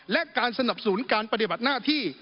และการสนับสนุนการปฏิบัติหน้าที่